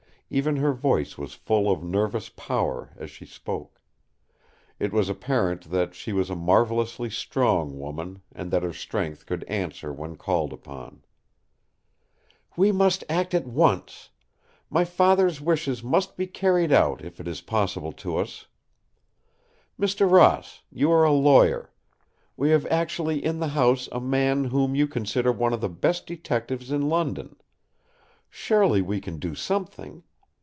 Even her voice was full of nervous power as she spoke. It was apparent that she was a marvellously strong woman, and that her strength could answer when called upon. "We must act at once! My Father's wishes must be carried out if it is possible to us. Mr. Ross, you are a lawyer. We have actually in the house a man whom you consider one of the best detectives in London. Surely we can do something.